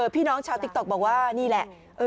พี่น้องชาวติ๊กต๊อกบอกว่านี่แหละ